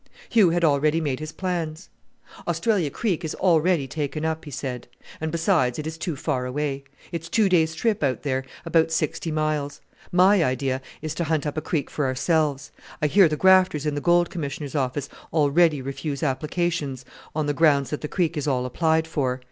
Hugh had already made his plans. "Australia Creek is already taken up," he said, "and, besides, it is too far away. It's two days' trip out there, about sixty miles. My idea is to hunt up a creek for ourselves. I hear the grafters in the Gold Commissioner's office already refuse applications on the grounds that the creek is all applied for.